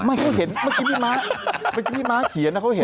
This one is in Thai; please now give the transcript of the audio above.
ไม่เขาเห็นเมื่อกี้พี่ม้าเมื่อกี้พี่ม้าเขียนนะเขาเห็น